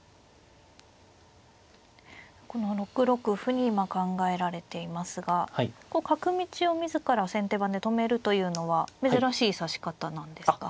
この６六歩に今考えられていますが角道を自ら先手番で止めるというのは珍しい指し方なんですか。